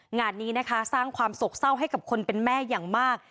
งานนี้นะคะสร้างความโศกเศร้าให้กับคนเป็นแม่อย่างมาก